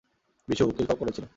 বিশু, উকিল কল করেছিল।